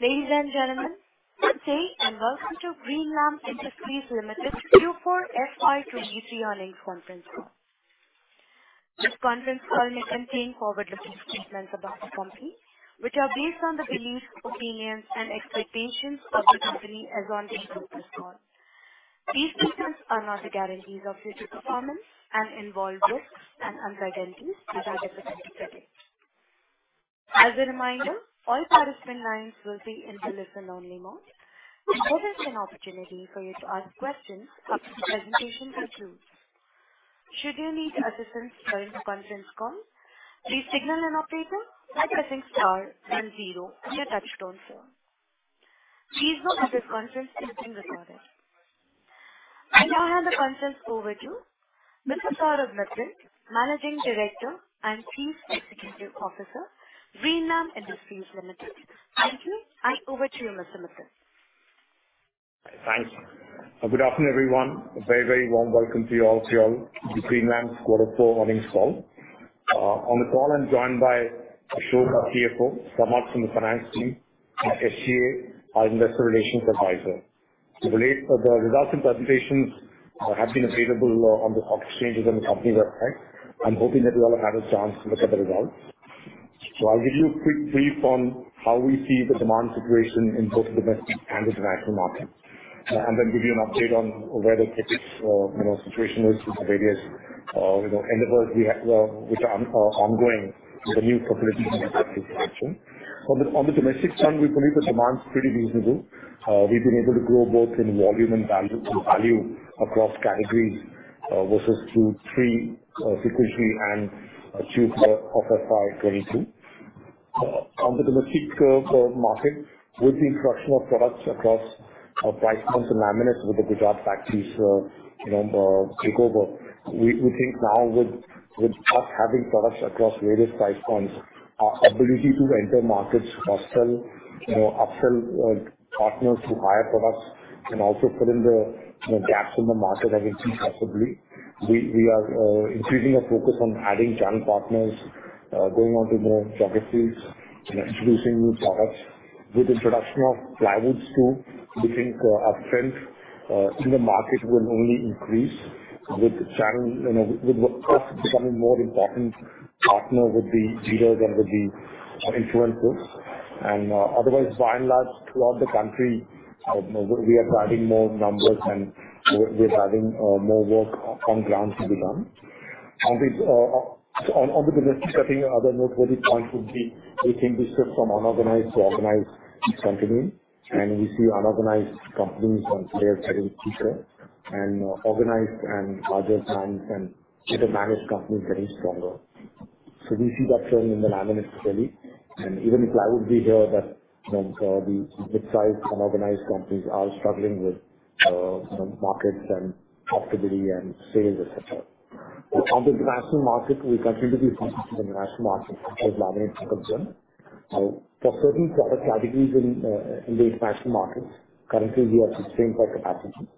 Ladies and gentlemen, good day. Welcome to Greenlam Industries Limited Q4 FY 2023 earnings conference call. This conference call may contain forward-looking statements about the company, which are based on the beliefs, opinions, and expectations of the company as on this conference call. These statements are not the guarantees of future performance and involve risks and uncertainties regarding the current setting. As a reminder, all participant lines will be in the listen-only mode. There is an opportunity for you to ask questions after the presentation concludes. Should you need assistance during the conference call, please signal an operator by pressing star then zero on your touch-tone phone. Please note that this conference is being recorded. I hand the conference over to Mr. Saurabh Mittal, Managing Director and Chief Executive Officer, Greenlam Industries Limited. Thank you. I over to you, Mr. Mittal. Thanks. Good afternoon, everyone. A very, very warm welcome to you all to your Greenlam quarter four earnings call. On the call, I'm joined by Ashok, our CFO, Samar from the finance team, and SGA, our investor relations advisor. To relate, the results and presentations, have been available on the stock exchanges and the company website. I'm hoping that you all have had a chance to look at the results. I'll give you a quick brief on how we see the demand situation in both the domestic and international markets, and then give you an update on where the critics, you know, situation is with the various, you know, endeavors we have, which are ongoing with the new facilities and active action. On the domestic front, we believe the demand is pretty reasonable. We've been able to grow both in volume and value, in value across categories, versus two, three sequentially, and Q4 of FY 2022. On the domestic market, with the introduction of products across our price points and laminates with the Gujarat factories, you know, takeover, we think now with us having products across various price points, our ability to enter markets or sell, you know, upsell partners to higher products and also fill in the, you know, gaps in the market, I think possibly. We are increasing our focus on adding channel partners, going out to more geographies and introducing new products. With the introduction of plywoods too, we think, our strength, in the market will only increase with the channel, you know, with the trust becoming more important, partner with the dealers and with the influencers. Otherwise, by and large, throughout the country, you know, we are adding more numbers, and we're adding, more work on ground to be done. On this, on the domestic setting, other noteworthy point would be we think this is from unorganized to organized company, and we see unorganized companies on player getting bigger and more organized and larger brands and better managed companies getting stronger. We see that trend in the laminate space, and even in plywood, we hear that, you know, the mid-size and organized companies are struggling with, you know, markets and profitability and sales, et cetera. On the international market, we continue to be in the international market as laminate concern. For certain product categories in the international markets, currently we are constrained for capacity.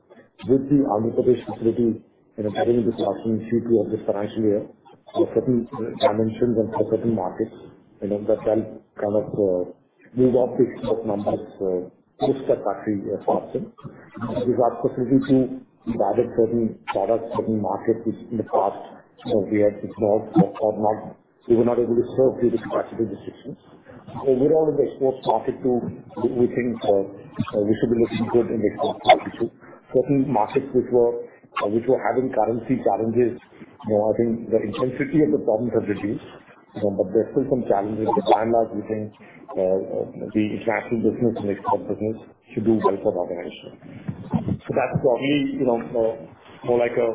With the Ambur facility, you know, adding this Q2 of this financial year for certain dimensions and for certain markets, you know, that shall kind of move up the numbers with the factory faster. With our facility too, we've added certain products, certain markets, which in the past, we had ignored. We were not able to serve due to capacity restrictions. Overall, in the export market too, we think, we should be looking good in the export market too. Certain markets which were having currency challenges, you know, I think the intensity of the problems has reduced, but there are still some challenges. By and large, we think, the international business and export business should do well for the organization. That's probably, you know, more like a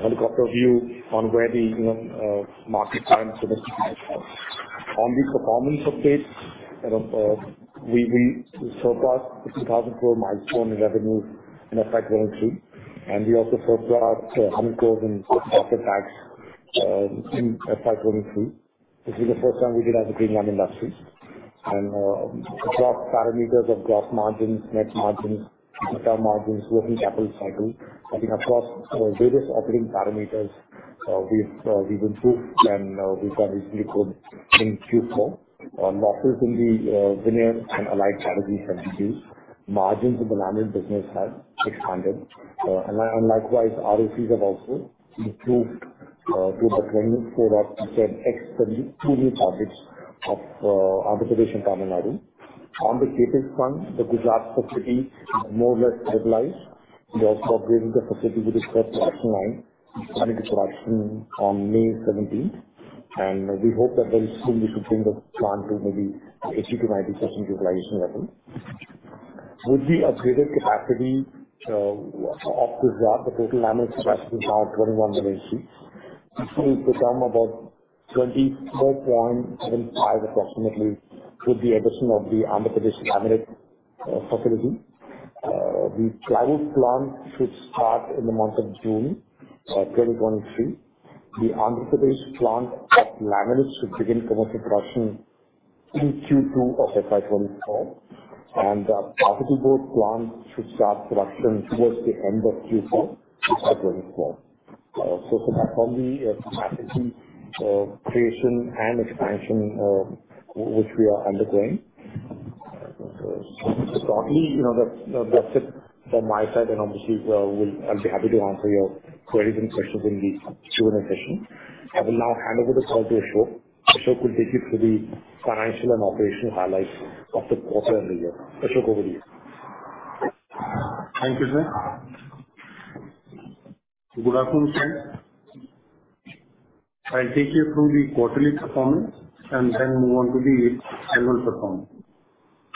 helicopter view on where the, you know, market trends for the. On the performance update, you know, we surpassed the 2,000 crore milestone in revenue in FY 2022, and we also surpassed 100 crore in after-tax in FY 2022. This is the first time we did as a Greenlam Industries. Across parameters of gross margins, net margins, operating margins, working capital cycle, I think across various operating parameters, we've improved, and we can easily improve in Q4. Losses in the veneer and allied categories have reduced. Margins of the laminate business have expanded. Likewise, ROCs have also improved to the 24 that we can exceed previous targets of Ambur special Tamil Nadu. On the capital front, the Gujarat facility is more or less stabilized. We are upgrading the facility with the third production line coming to production on May 17th, and we hope that very soon we should bring the plant to maybe 80%-90% utilization level. With the upgraded capacity of Gujarat, the total laminate capacity is now 21 million sheets. This will become about 24.75 approximately, with the addition of the Ambur laminate facility. The plywood plant should start in the month of June 2023. The Ambur plant of laminates should begin commercial production in Q2 of FY 2024. Both plants should start production towards the end of Q4. From the capacity, creation and expansion, which we are undergoing. Shortly, you know, that's it from my side. Obviously, I'll be happy to answer your queries and questions in the Q&A session. I will now hand over the call to Ashok. Ashok will take you through the financial and operational highlights of the quarter and the year. Ashok, over to you. Thank you, sir. Good afternoon, sir. I'll take you through the quarterly performance then move on to the annual performance.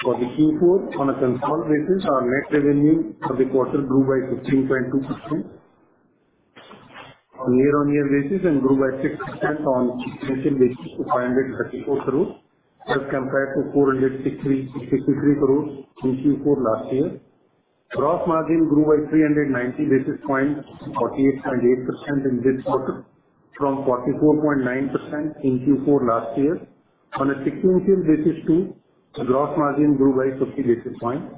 For the Q4 on a consolidated basis, our net revenue for the quarter grew by 16.2% on year-over-year basis, grew by 6% on sequential basis to 534 crores as compared to 466 crores in Q4 last year. Gross margin grew by 390 basis points or 48.8% in this quarter from 44.9% in Q4 last year. On a sequential basis too, the gross margin grew by 50 basis points.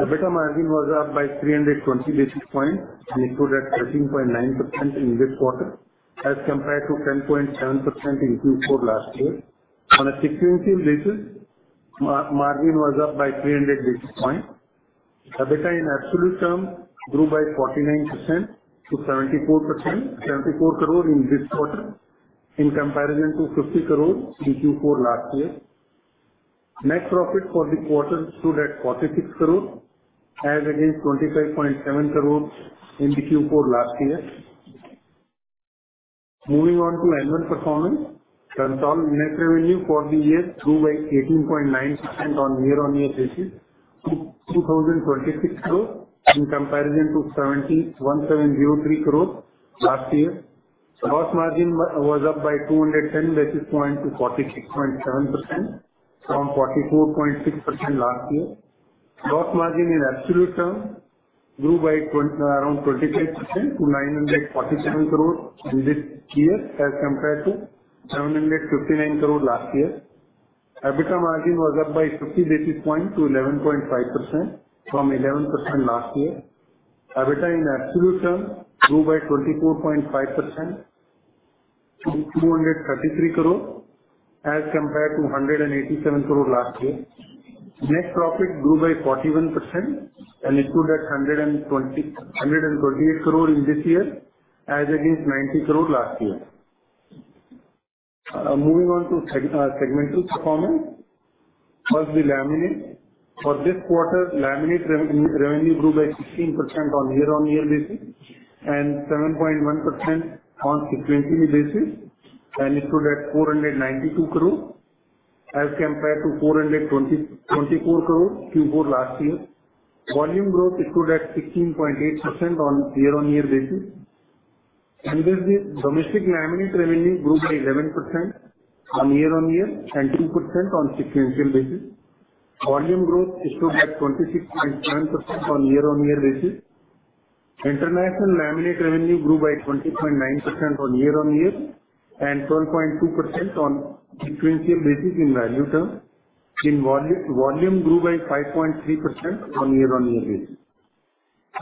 EBITDA margin was up by 320 basis points, stood at 13.9% in this quarter, as compared to 10.7% in Q4 last year. On a sequential basis, margin was up by 300 basis points. EBITDA in absolute terms grew by 49% to 74%, 74 crore in this quarter, in comparison to 50 crore in Q4 last year. Net profit for the quarter stood at 46 crore, as against 25.7 crore in the Q4 last year. Moving on to annual performance. Consolidated net revenue for the year grew by 18.9% on a year-on-year basis to 2,036 crore in comparison to 1,773 crore last year. Gross margin was up by 210 basis points to 46.7% from 44.6% last year. Gross margin in absolute term grew by around 25% to 947 crore this year as compared to 759 crore last year. EBITDA margin was up by 50 basis points to 11.5% from 11% last year. EBITDA in absolute terms grew by 24.5% to 233 crore, as compared to 187 crore last year. Net profit grew by 41% and it stood at 128 crore in this year, as against 90 crore last year. Moving on to segmental performance. First, the laminate. For this quarter, laminate revenue grew by 16% on year-on-year basis, and 7.1% on sequential basis, and it stood at 492 crore as compared to 424 crore Q4 last year. Volume growth stood at 16.8% on year-on-year basis, the domestic laminate revenue grew by 11% on year-on-year and 2% on sequential basis. Volume growth stood at 26.7% on year-on-year basis. International laminate revenue grew by 20.9% on year-on-year and 12.2% on sequential basis in value terms. Volume grew by 5.3% on year-on-year basis.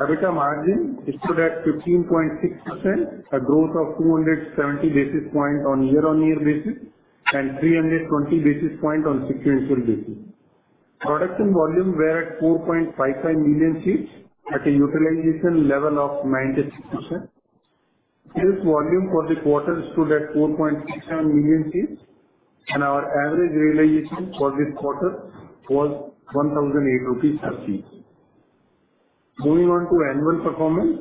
EBITDA margin stood at 15.6%, a growth of 270 basis points on year-on-year basis and 320 basis points on sequential basis. Production volume were at 4.55 million sheets at a utilization level of 96%. This volume for the quarter stood at 4.67 million sheets, and our average realization for this quarter was 1,008 rupees per sheet. Moving on to annual performance.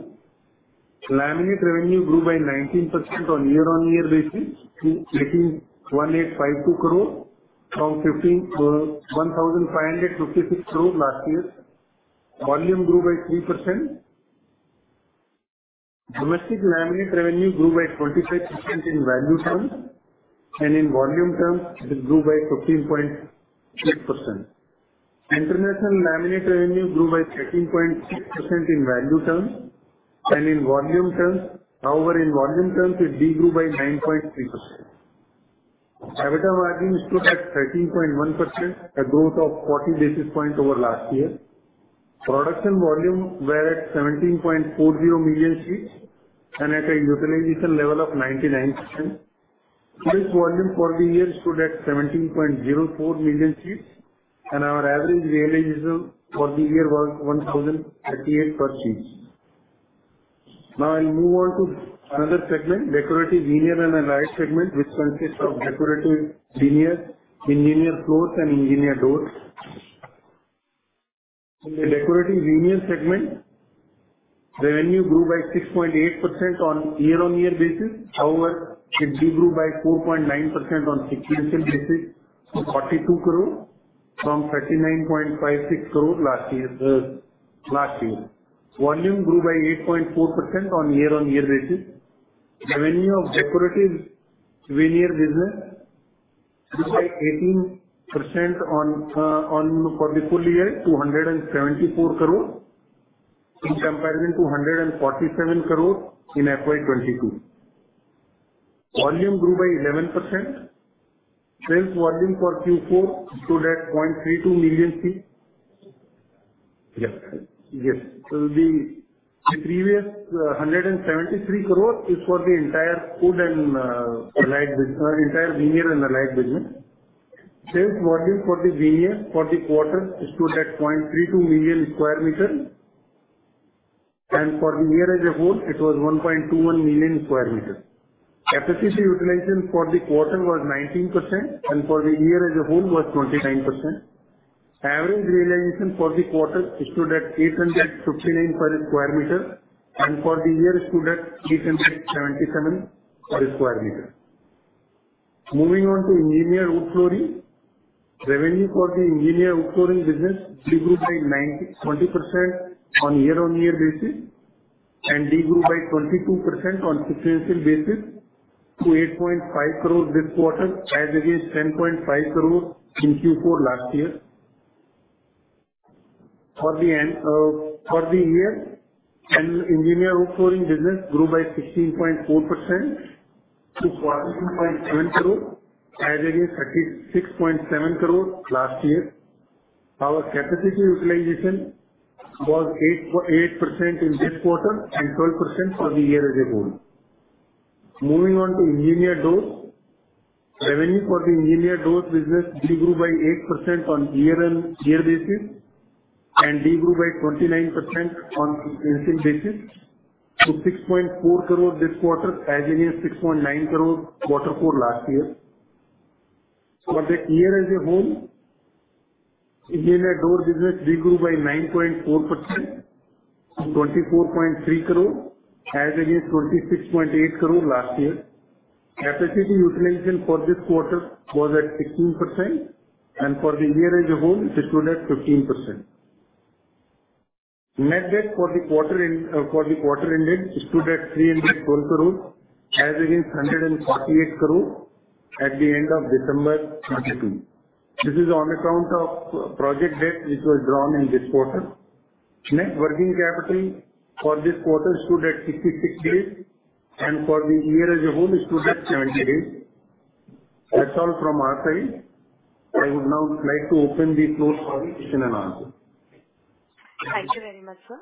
Laminate revenue grew by 19% on year-on-year basis to making 1,852 crore from 1,566 crore last year. Volume grew by 3%. Domestic laminate revenue grew by 25% in value terms, and in volume terms, it grew by 15.6%. International laminate revenue grew by 13.6% in value terms. However, in volume terms, it degrew by 9.3%. EBITDA margin stood at 13.1%, a growth of 40 basis points over last year. Production volume were at 17.40 million sheets and at a utilization level of 99%. This volume for the year stood at 17.04 million sheets, and our average realization for the year was 1,038 per sheet. I'll move on to another segment, decorative veneer and allied segment, which consists of decorative veneers, engineered floors, and engineered doors. In the decorative veneer segment, revenue grew by 6.8% on year-on-year basis. However, it degrew by 4.9% on sequential basis, to 42 crore from 39.56 crore last year. Volume grew by 8.4% on year-on-year basis. Revenue of decorative veneer business grew by 18% on for the full year to 174 crore, in comparison to 147 crore in FY 2022. Volume grew by 11%. Sales volume for Q4 stood at 0.32 million CPM. Yes. Yes. The previous 173 crore is for the entire wood and light business, entire veneer and the light business. Sales volume for the veneer for the quarter stood at 0.32 million square meter, for the year as a whole, it was 1.21 million square meter. Capacity utilization for the quarter was 19%, for the year as a whole was 29%. Average realization for the quarter stood at 859 per square meter, for the year stood at 877 per square meter. Moving on to engineered wood flooring. Revenue for the engineered wood flooring business de-grew by 20% on year-on-year basis, de-grew by 22% on sequential basis to 8.5 crore this quarter, as against 10.5 crore in Q4 last year. For the year, engineered wood flooring business grew by 16.4% to 14.7 crore, as against 36.7 crore last year. Our capacity utilization was 8.8% in this quarter and 12% for the year as a whole. Moving on to engineered doors. Revenue for the engineered doors business degrew by 8% on year-on-year basis, and degrew by 29% on sequential basis to 6.4 crore this quarter, as against 6.9 crore quarter four last year. For the year as a whole, engineer door business degrew by 9.4%, 24.3 crore, as against 26.8 crore last year. Capacity utilization for this quarter was at 16%, and for the year as a whole, it stood at 15%. Net debt for the quarter in for the quarter ending stood at 312 crore, as against 148 crore at the end of December 2022. This is on account of project debt, which was drawn in this quarter. Net working capital for this quarter stood at 66 days, and for the year as a whole, it stood at 70 days. That's all from our side. I would now like to open the floor for the question and answer. Thank you very much, sir.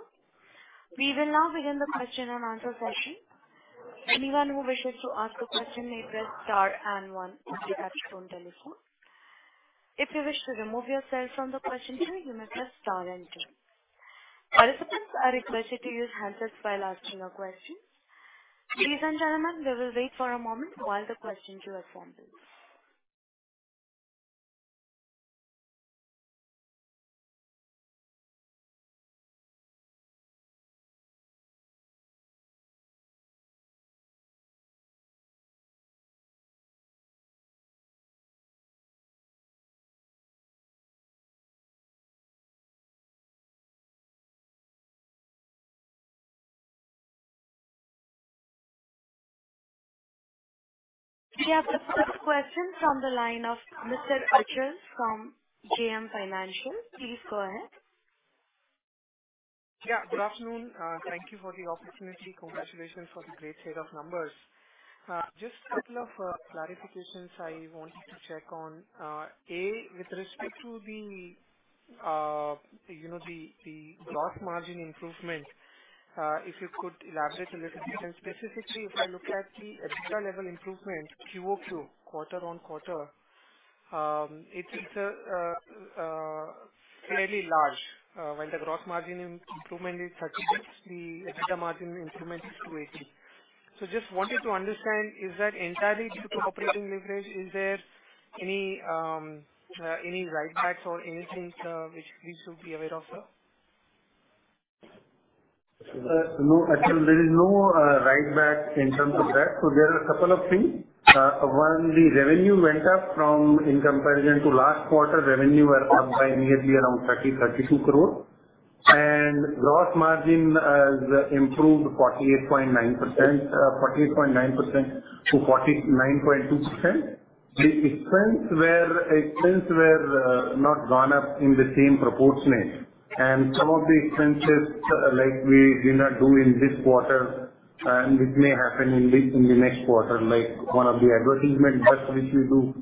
We will now begin the question and answer session. Anyone who wishes to ask a question may press star and one on your telephone. If you wish to remove yourself from the question queue, you may press star and two. Participants are requested to use handsets while asking a question. Please and gentlemen, we will wait for a moment while the question queue forms. We have the first question from the line of Mr. Achal from JM Financial. Please go ahead. Yeah, good afternoon. Thank you for the opportunity. Congratulations for the great set of numbers. Just couple of clarifications I wanted to check on. A, with respect to the, you know, the gross margin improvement, if you could elaborate a little bit, and specifically, if I look at the EBITDA level improvement, QOQ, quarter-on-quarter, it is fairly large. When the gross margin improvement is 30 bits, the EBITDA margin improvement is two AC. Just wanted to understand, is that entirely due to operating leverage? Is there any write-backs or anything, which we should be aware of, sir? No, Achal Lohade, there is no write back in terms of that. There are a couple of things. One, the revenue went up from in comparison to last quarter, revenue were up by nearly around 30 crore-32 crore, and gross margin has improved 48.9%, 48.9% to 49.2%. The expense were not gone up in the same proportionate, and some of the expenses, like we did not do in this quarter, and which may happen in this, in the next quarter, like one of the advertisement that which we do,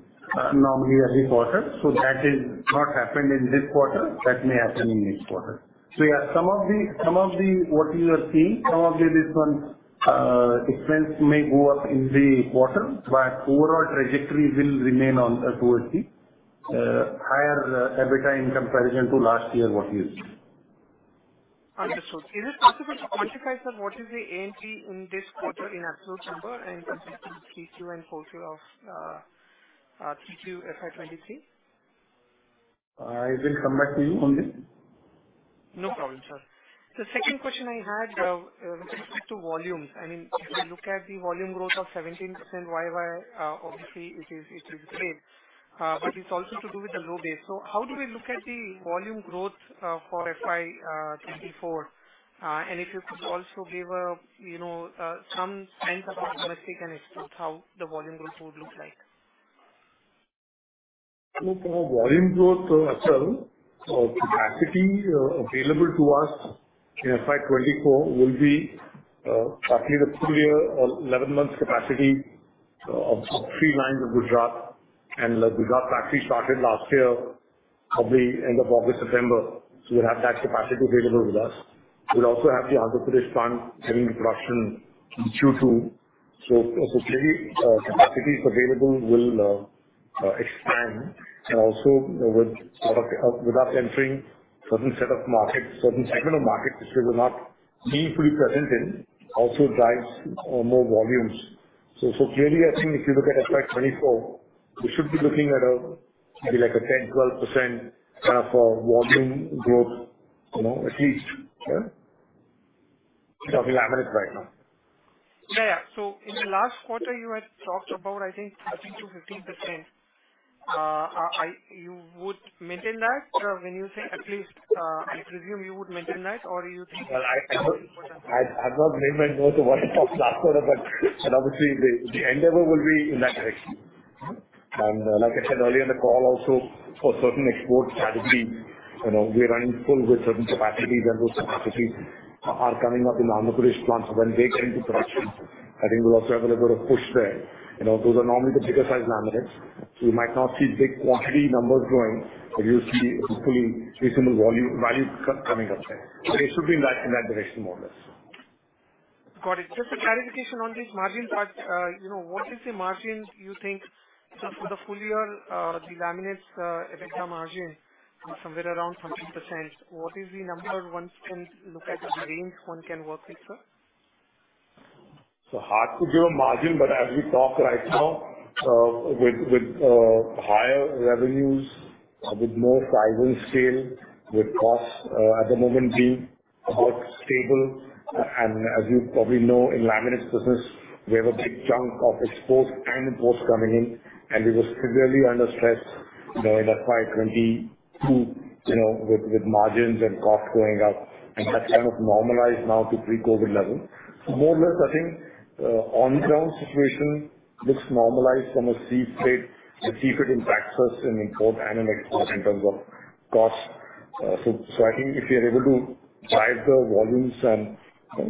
normally every quarter. That is not happened in this quarter. That may happen in next quarter. Yeah, some of the, what you are seeing, some of the this one, expense may go up in the quarter, but overall trajectory will remain on, towards the, higher EBITDA in comparison to last year what we used. Understood. Is it possible to quantify, sir, what is the AMP in this quarter in absolute number in comparison to Q2 and Q4 of Q2 FY 2023? I will come back to you on this. No problem, sir. The second question I had, with respect to volumes, I mean, if you look at the volume growth of 17%, YY, obviously it is great, but it's also to do with the low base. How do you look at the volume growth for FY 2024? If you could also give a, you know, some sense of how realistic and it's how the volume growth would look like? For volume growth itself, capacity available to us in FY 2024 will be partly the full year or 11 months capacity of three lines in Gujarat. The Gujarat factory started last year, probably end of August, September. We have that capacity available with us. We'll also have the Andhra Pradesh plant during the production in Q2. Clearly, capacities available will expand and also with product without entering certain set of markets, certain segment of markets, which we were not meaningfully present in, also drives more volumes. Clearly, I think if you look at FY 2024, we should be looking at a maybe like a 10%-12% kind of volume growth, you know, at least. Yeah? Talking laminates right now. Yeah. In the last quarter, you had talked about, I think, 13%-15%. You would maintain that? Or when you say at least, I presume you would maintain that? I'm not blaming those to what was last quarter, obviously the endeavor will be in that direction. Like I said earlier in the call also, for certain export categories, you know, we are running full with certain capacities, and those capacities are coming up in Andhra Pradesh plant. When they get into production, I think we'll also have a little push there. You know, those are normally the bigger size laminates. You might not see big quantity numbers growing, but you'll see hopefully reasonable volume, values coming up there. It should be in that direction, more or less. Got it. Just a clarification on this margin part. You know, what is the margin you think for the full year, the laminates EBITDA margin is somewhere around 17%? What is the number one can look at, the range one can work with, sir? Hard to give a margin, but as we talk right now, with, higher revenues, with more sizes scale, with costs, at the moment being about stable. And as you probably know, in laminates business, we have a big chunk of exports and imports coming in, and we were severely under stress, you know, in the FY 2022, you know, with margins and costs going up, and that kind of normalized now to pre-COVID level. More or less, I think, on ground situation looks normalized from a sea freight. The sea freight impacts us in import and export in terms of costs. I think if you are able to drive the volumes, and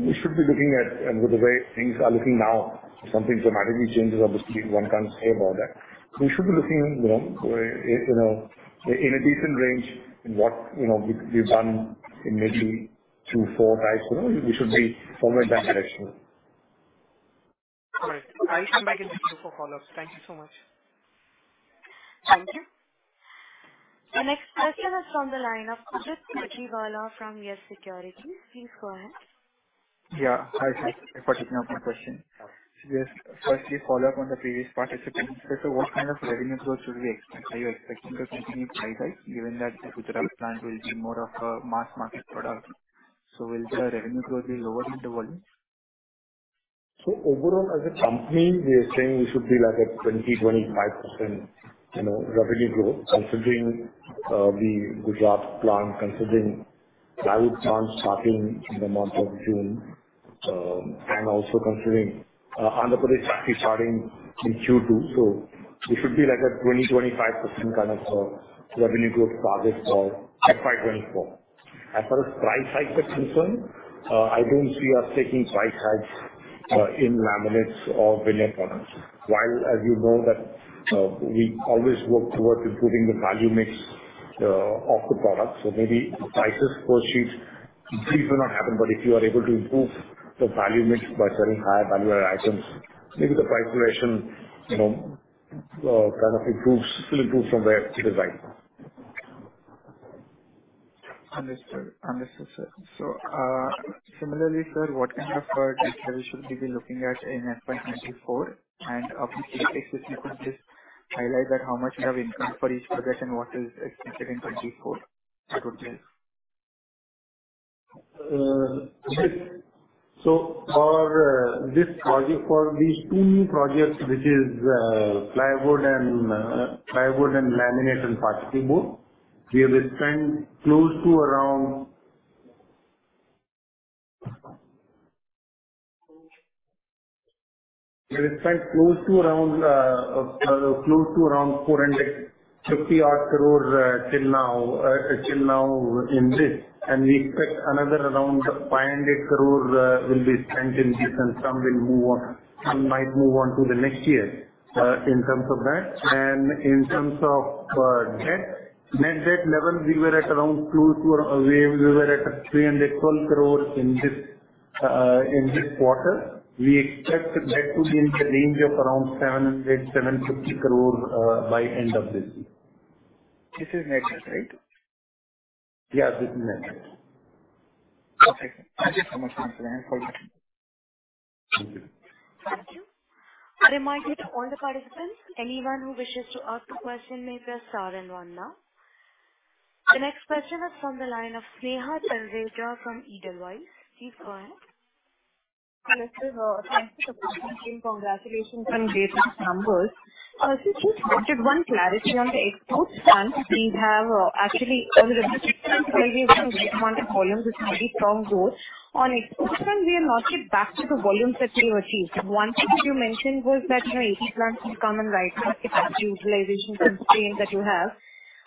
we should be looking at... And with the way things are looking now, something dramatically changes, obviously, one can't say about that. We should be looking, you know, where, you know, in a decent range in what, you know, we've done in maybe two, four types. You know, we should be somewhere in that direction. All right. I'll come back in the queue for follow-ups. Thank you so much. Thank you. The next question is from the line of Udit Gajiwala from YES Securities. Please go ahead. Yeah. Hi, sir. Udit Gajiwala. Just firstly follow up on the previous participant. What kind of revenue growth should we expect? Are you expecting to continue price hike, given that the Gujarat plant will be more of a mass market product? Will the revenue growth be lower than the volume? Overall, as a company, we are saying we should be like at 20%-25%, you know, revenue growth, considering the Gujarat plant, considering plywood plant starting in the month of June, and also considering Andhra Pradesh factory starting in Q2. We should be like at 20%-25% kind of revenue growth target for FY 2024. As far as price hike is concerned, I don't see us taking price hikes in laminates or veneer products. As you know, that we always work towards improving the value mix of the products. Maybe prices per sheet increase will not happen, but if you are able to improve the value mix by selling higher value items, maybe the price relation, you know, kind of improves, still improves from where it is right now. Understood. Understood, sir. Similarly, sir, what kind of details should we be looking at in FY 2024? Obviously, existing projects, highlight that how much you have incurred for each project and what is expected in 24 to close? For this project, for these two new projects, which is plywood and laminate and particleboard, we have spent close to around 450 odd crores till now in this, and we expect another around 500 crores will be spent in this, and some might move on to the next year in terms of that. In terms of debt, net debt level, we were at around close to 312 crores in this quarter. We expect that to be in the range of around 700 crores-750 crores by end of this year. This is net debt, right? Yeah, this is net debt. Okay. Thank you so much for your answer. Thank you. Thank you. A reminder to all the participants, anyone who wishes to ask a question, may press star and one now. The next question is from the line of Sneha Talreja from Edelweiss. Please go ahead. Hello, sir. Thank you for calling, congratulations on great numbers. Just wanted one clarity on the exports front. We have, actually on the domestic front, we have seen very strong volumes with very strong growth. On export front, we are not yet back to the volumes that we have achieved. One thing that you mentioned was that your AP plant will come in right now with the utilization constraint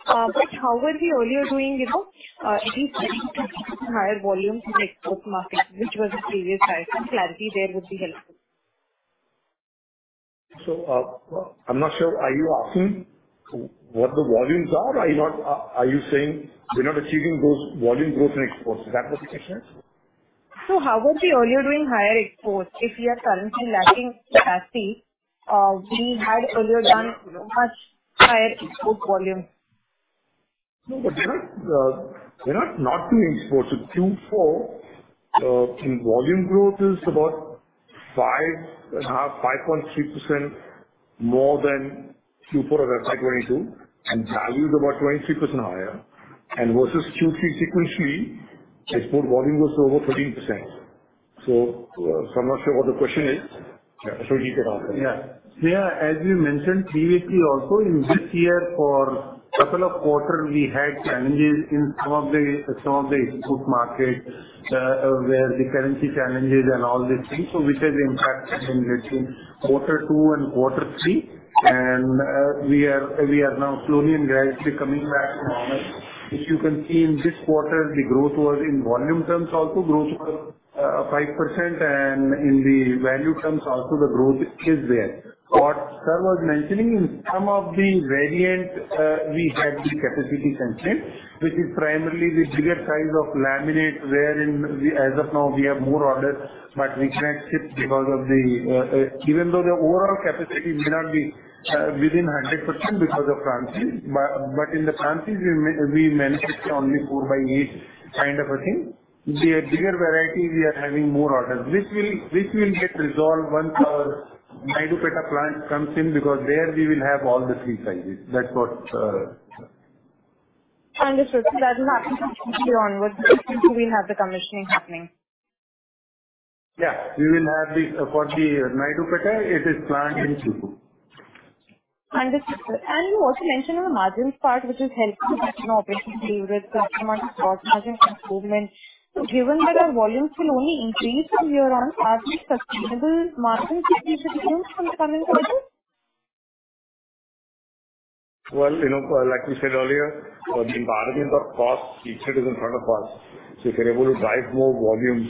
that you have.... how were we earlier doing, you know, in higher volumes in export markets, which was the previous slide? Some clarity there would be helpful. I'm not sure. Are you asking what the volumes are, or are you saying we're not achieving those volume growth in exports? Is that what the question is? How was we earlier doing higher exports if we are currently lacking capacity? We had earlier done, you know, much higher export volume. No, but we're not not doing exports. In Q4, in volume growth is about 5.5%, 5.3% more than Q4 of FY 2022, and value is about 23% higher. Versus Q3 sequentially, export volume was over 13%. I'm not sure what the question is. Ashok, you can answer. Yeah, as we mentioned previously, also in this year for a couple of quarters, we had challenges in some of the export markets, where the currency challenges and all these things, which has impacted in between Q2 and Q3. We are now slowly and gradually coming back to normal. If you can see in this quarter, the growth was in volume terms, also growth was 5%, and in the value terms also the growth is there. What sir was mentioning, in some of the variant, we had the capacity constraint, which is primarily the bigger size of laminate, wherein we as of now, we have more orders, but we can't ship because of the. Even though the overall capacity may not be within 100% because of Prantij. But in the Prantij, we manufacture only four by eight kind of a thing. The bigger variety, we are having more orders, which will get resolved once our Naidupeta plant comes in, because there we will have all the three sizes. That's what. Understood. That will happen from here onwards, we will have the commissioning happening. Yeah, we will have the for the Naidupeta, it is planned in Q2. Understood, sir. You also mentioned on the margin part, which is helping us, you know, obviously with the gross margin improvement. Given that our volumes will only increase from here on, are we sustainable margin 50% coming further? Well, you know, like we said earlier, the environment of cost, it is in front of us. If we're able to drive more volumes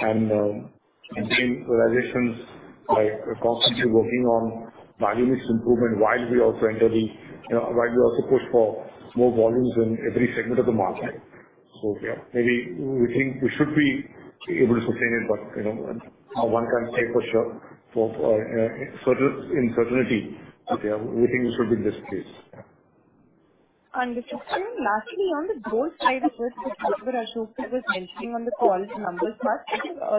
and contain realizations by constantly working on volume mix improvement while we also push for more volumes in every segment of the market. Yeah, maybe we think we should be able to sustain it, but, you know, one can't say for sure for uncertainty. Yeah, we think we should be in this case. Understood, sir. Lastly, on the door side, the first Ashok was mentioning on the call numbers.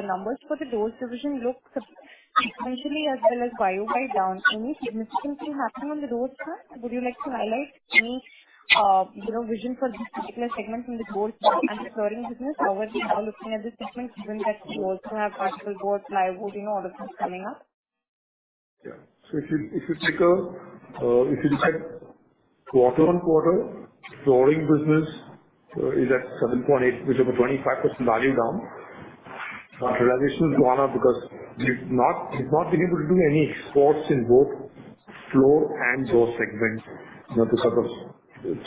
Numbers for the doors division look essentially as well as Y-o-Y down. Any significance happening on the doors front? Would you like to highlight any, you know, vision for this particular segment from the doors and recurring business? Obviously, how looking at this segment, given that you also have particle board, plywood, you know, orders coming up. If you check quarter-on-quarter, flooring business is at 7.8, which is about 25% volume down. Realization gone up because we've not been able to do any exports in both floor and door segments due to sort of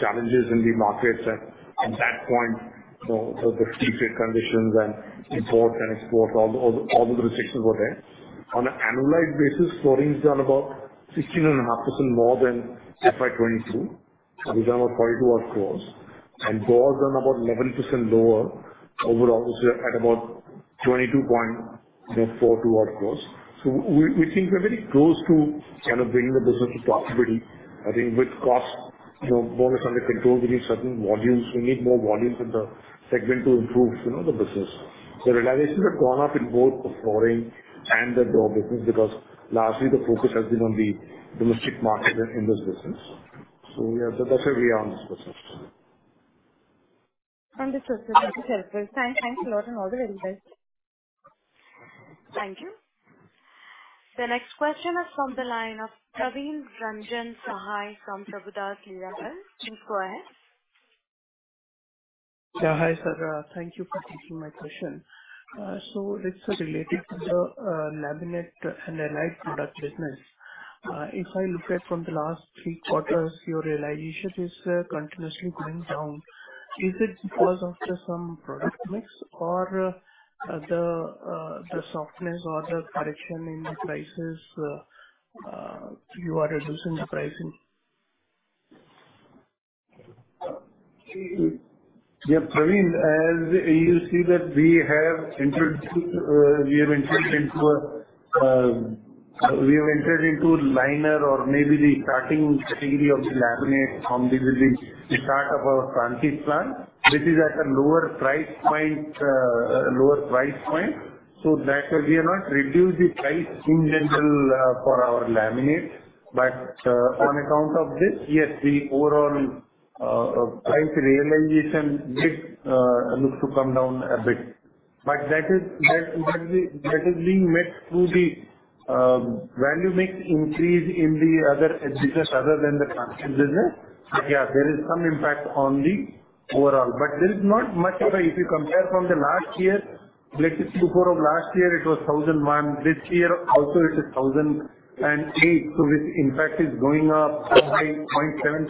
challenges in the markets and at that point, you know, the free trade conditions and import and export, all the restrictions were there. On an annualized basis, flooring is down about 16.5% more than FY 2022. It was down about INR 42 odd crores and doors down about 11% lower overall, which is at about 22.42 odd crores. We think we're very close to kind of bringing the business to profitability. I think with cost, you know, more or less under control, we need certain volumes. We need more volumes in the segment to improve, you know, the business. Realizations have gone up in both the flooring and the door business, because lastly, the focus has been on the domestic market in this business. Yeah, that's where we are on this process. Understood, sir. Thank you. Thanks a lot. All the very best. Thank you. The next question is from the line of Praveen Ranjan Sahay from Prabhudas Lilladher. Please go ahead. Hi, sir, thank you for taking my question. It's related to the laminate and allied product business. If I look at from the last three quarters, your realization is continuously going down. Is it because of the some product mix or the softness or the correction in the prices? You are reducing the pricing? Yeah, Praveen, as you see that we have entered into, we have entered into a, we have entered into liner or maybe the starting category of the laminate from the start of our Prantij plant, which is at a lower price point, so that we have not reduced the price in general, for our laminate. On account of this, yes, the overall price realization did look to come down a bit. That is being met through the value mix increase in the other businesses other than the Prantij business. Yeah, there is some impact on the overall, but there is not much if you compare from the last year. Before of last year, it was 1,001. This year also it is 1,008, which in fact is going up by 0.7.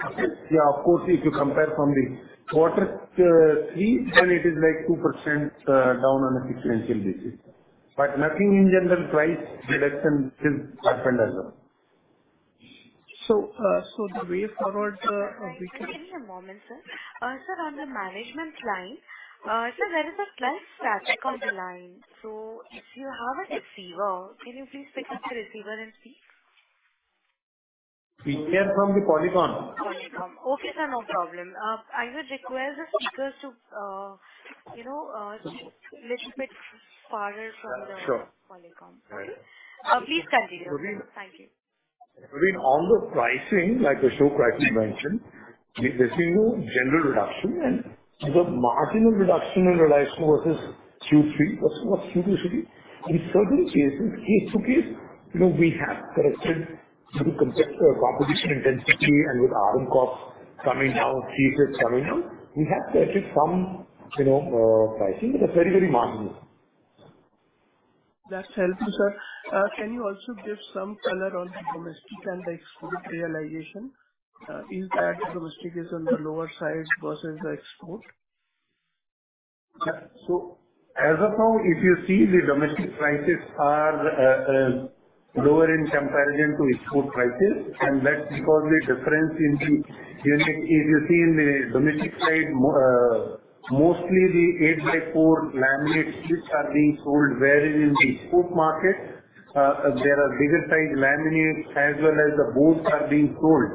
Yeah, of course, if you compare from the Q3, then it is like 2% down on a sequential basis. Nothing in general price reduction is happened as well. The way forward. Give me a moment, sir. sir, on the management line, sir, there is a slight static on the line. If you have a receiver, can you please pick up the receiver and speak? We are from the Polycom. Polycom. Okay, sir, no problem. I would require the speakers to, you know, shift little bit farther from the- Sure. Polycom. Okay. Please continue. Thank you. I mean, on the pricing, like the Ashok pricing mentioned, there's been no general reduction, and the marginal reduction in realization versus Q3 was due to certain cases, case to case. You know, we have corrected to the competitive competition intensity. With Aramco coming down, CS coming down, we have corrected some, you know, pricing, but very, very marginal. That's helpful, sir. Can you also give some color on the domestic and the export realization? Is that domestic is on the lower side versus the export? As of now, if you see the domestic prices are lower in comparison to export prices, and that's because the difference in the unit. If you see in the domestic side, mostly the eight by four laminate sheets are being sold, whereas in the export market, there are bigger size laminates as well as the boards are being sold,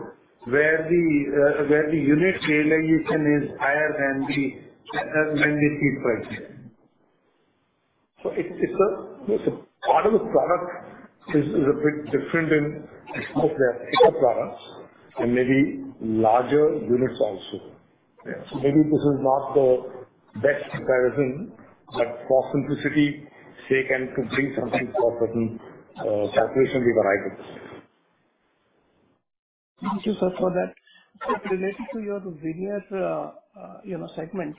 where the unit realization is higher than the sheet price. It's, it's a, it's a part of the product is a bit different in export products and maybe larger units also. Yeah. Maybe this is not the best comparison, but for simplicity sake, and to bring something for certain calculation we've arrived. Thank you, sir, for that. Related to your veneer, you know, segment,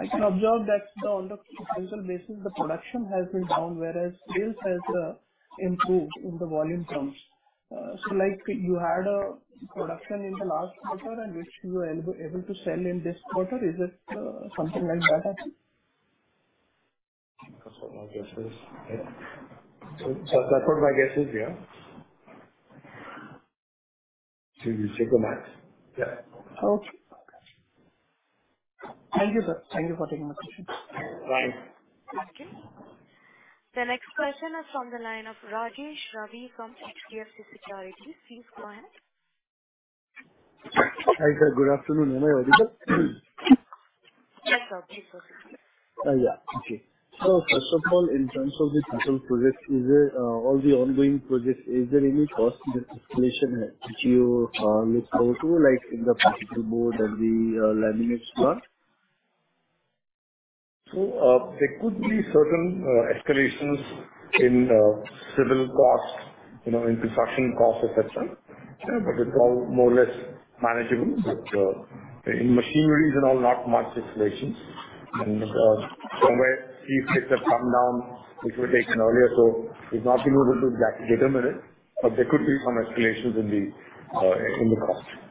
I can observe that the on the physical basis, the production has been down, whereas sales has improved in the volume terms. Like you had a production in the last quarter and which you were able to sell in this quarter, is it something like that, I think? That's what my guess is. Yeah. That's what my guess is, yeah. You say the match? Yeah. Okay. Thank you, sir. Thank you for taking my question. Bye. Thank you. The next question is from the line of Rajesh Ravi from HDFC Securities. Please go ahead. Hi, sir. Good afternoon. Am I audible? Yes, Sir. Please go ahead. First of all, in terms of the capital projects, is there all the ongoing projects, is there any cost in this escalation which you look forward to, like in the particle board and the laminates plant? There could be certain escalations in civil costs, you know, in construction costs, et cetera. Yeah, but it's all more or less manageable. In machineries and all, not much escalations. Somewhere fees rates have come down, which were taken earlier, so it's not been able to exactly determine it, but there could be some escalations in the in the cost.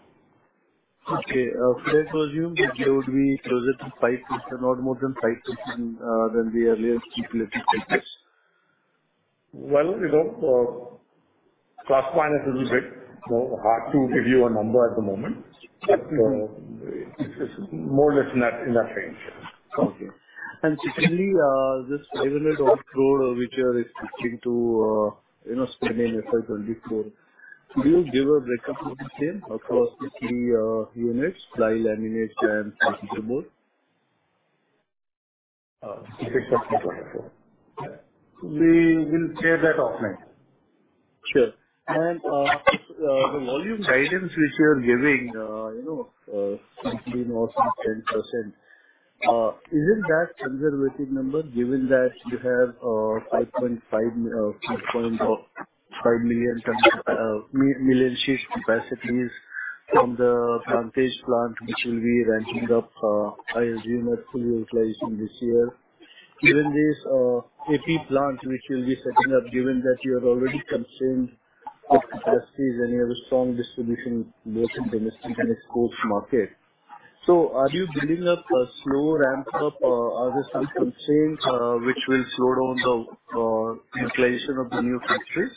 Okay. Could I presume that there would be closer to 5%, not more than 5%, than the earlier stipulated five years? Well, you know, last one is a little bit more hard to give you a number at the moment, but it's more or less in that, in that range. Okay. Secondly, this available floor which you are expecting to, you know, spend in FY 2024, could you give a breakup of the same across the three units, ply, laminate and particle board? We will share that offline. Sure. The volume guidance which you are giving, you know, between or 10%, isn't that conservative number, given that you have 5.5 million sheets capacities from the Prantij plant, which will be ramping up, I assume, at full utilization this year. Given this AP plant, which you'll be setting up, given that you have already consumed your capacities and you have a strong distribution both in domestic and export market, are you building up a slow ramp-up, are there some constraints, which will slow down the utilization of the new factories?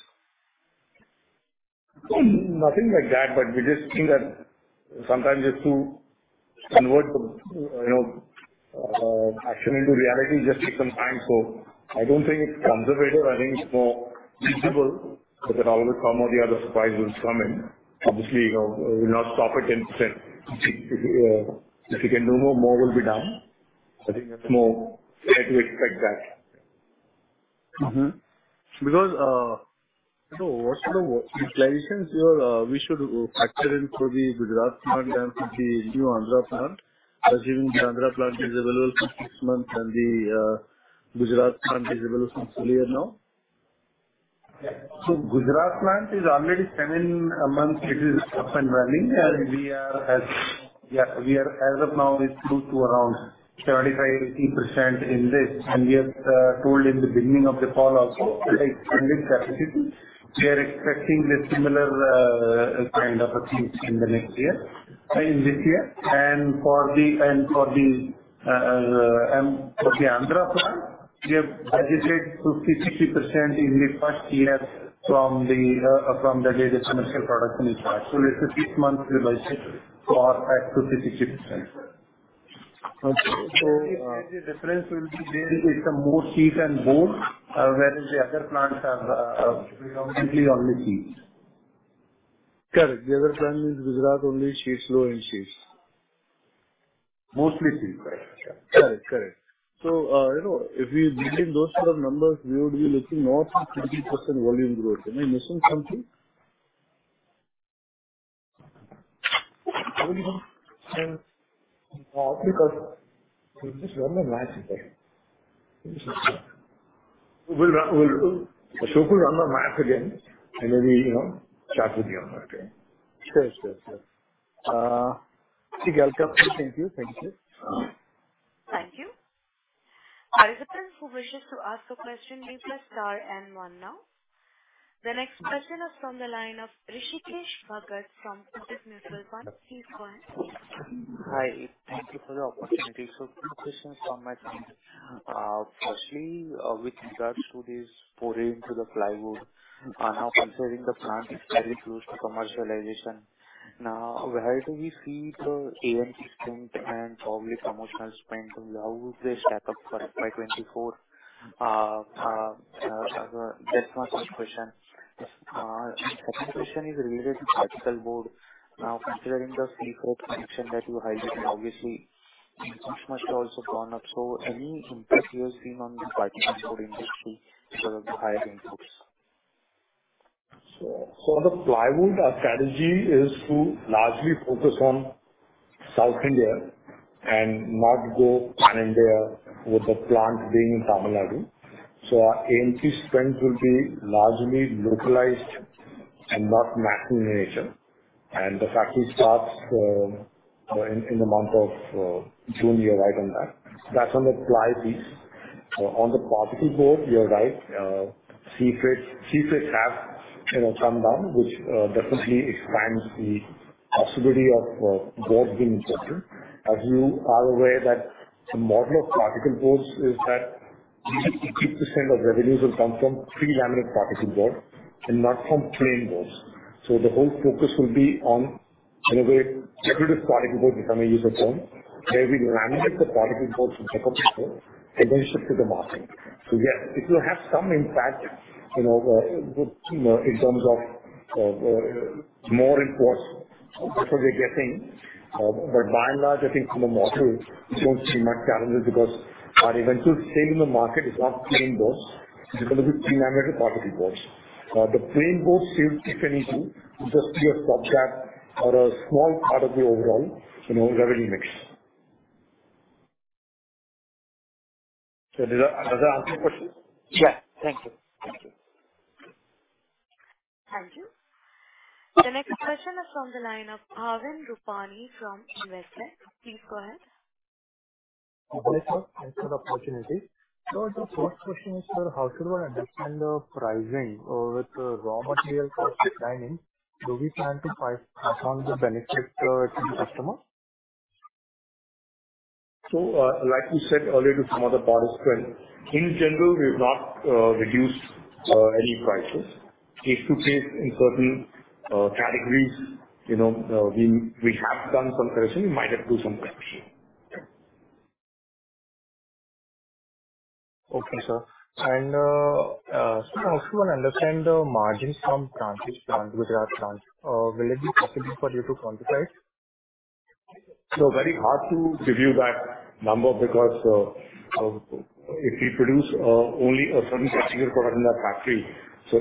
Nothing like that. We just think that sometimes just to convert the, you know, action into reality, just take some time. I don't think it's conservative. I think it's more feasible, but there are always some or the other surprise will come in. You know, we'll not stop at 10%. If you can do more, more will be done. I think that's more fair to expect that. You know, what sort of declination we should factor in for the Gujarat plant and the new Andhra plant? Assuming the Andhra plant is available for six months and the Gujarat plant is available from full year now. Gujarat plant is already standing amongst it is up and running, and we are as, yeah, we are as of now, it's good to around 35%, 80% in this, and we have told in the beginning of the call also, we are expecting the similar kind of achieve in the next year, in this year. For the, and for the, for the Andhra plant, we have budgeted to 60% in the first year from the day the commercial production will start. So it's a six-month window for at to 60%. Okay. The difference will be there. It's a more sheet and board, whereas the other plants are predominantly only sheet. Correct. The other plant is Gujarat, only sheets, low end sheets. Mostly sheet, correct. Yeah. Correct. Correct. you know, if we build those two numbers, we would be looking more than 50% volume growth. Am I missing something? We just run the math. We'll, Ashok, run the math again, and then we, you know, chat with you on that. Sure, sure. Okay, I'll come. Thank you. Thank you. Thank you. Anyone who wishes to ask a question, please press star and one now. The next question is from the line of Hrishikesh Bhagat from Kotak Mutual Fund. Please go ahead. Hi, thank you for the opportunity. Two questions from my end. firstly, with regards to this pouring into the plywood, now considering the plant is very close to commercialization, now, where do we see the AMP strength and probably promotional spend, how would they stack up for FY 2024? That's my first question. second question is related to particle board. Now, considering the C4 connection that you highlighted, obviously, costs must have also gone up. Any impact you have seen on the particle board industry because of the higher inputs? The plywood, our strategy is to largely focus on South India and not go Pan-India with the plant being in Tamil Nadu. Our A&M strength will be largely localized and not max in nature. The factory starts in the month of June. You're right on that. That's on the ply piece. On the particle board, you're right, CIF have, you know, come down, which definitely expands the possibility of board being imported. As you are aware that the model of particle boards is that 50%, 50% of revenues will come from prelam particle board and not from plain boards. The whole focus will be on, in a way, every particle board becoming user form, where we laminate the particle boards with other people and then ship to the market. Yes, it will have some impact, you know, with, you know, in terms of, more imports, that's what we're getting. But by and large, I think from the model, we won't see much challenges because our eventual sale in the market is not plain boards, it's going to be pre-laminated particle boards. The plain boards, if anything, will just be a stop-gap or a small part of the overall, you know, revenue mix. Does that, does that answer your question? Yeah. Thank you. Thank you. Thank you. The next question is from the line of Bhavin Rupani from Investor. Please go ahead. Thanks for the opportunity. The first question is, sir, how should one understand the pricing with raw material cost declining? Do we plan to pass on the benefit, to the customer? Like we said earlier to some other participants, in general, we've not reduced any prices. Case to case in certain categories, you know, we have done some pricing, we might have to do some pricing. Yeah. Okay, sir. I also want to understand the margins from Prantij plant, Gujarat plant. Will it be possible for you to quantify? Very hard to give you that number, because if we produce only a certain category of product in that factory,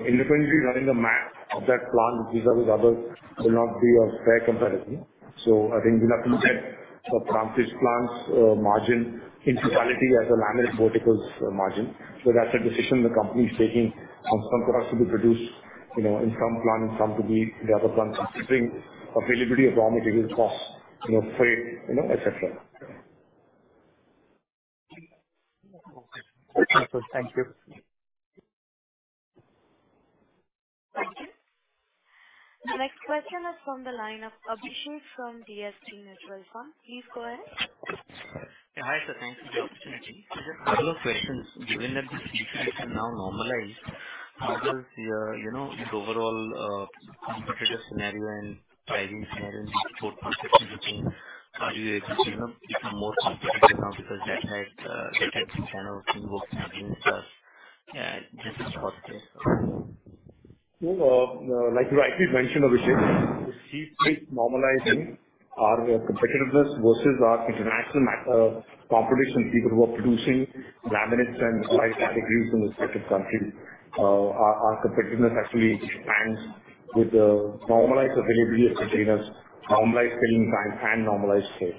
independently running the math of that plant vis-a-vis others will not be a fair comparison. I think we'll have to look at the Prantij plant's margin in totality as a laminate verticals margin. That's a decision the company is taking on some products to be produced, you know, in some plant, in some to be the other plant, considering availability of raw material costs, you know, freight, you know, et cetera. Okay. Thank you. Thank you. The next question is from the line of Abhishek from DSP Mutual Fund. Please go ahead. Hi, sir. Thanks for the opportunity. Just a couple of questions, given that the CIF have now normalized, how does your, you know, the overall competitive scenario and pricing scenario for participants between. Are you able to, you know, become more competitive now? Because that had two channels to work against us. Yeah, this is for place. Like you rightly mentioned, Abhishek, with CIF normalizing our competitiveness versus our international competition, people who are producing laminates and ply categories from the respective country, our competitiveness actually expands with the normalized availability of containers, normalized filling time and normalized space.